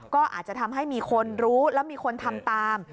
ก็อาจจะทำให้มีคนรู้แล้วมีคนทำตาม